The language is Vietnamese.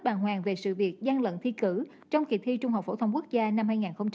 bàng hoàng về sự việc gian lận thi cử trong kỳ thi trung học phổ thông quốc gia năm hai nghìn một mươi tám